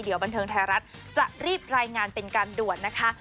เดี๋ยวบันเทิงไทยรัฐจะรีบรายงานเป็นการด่วนนะคะ